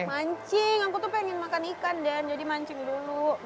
mancing aku tuh pengen makan ikan dan jadi mancing dulu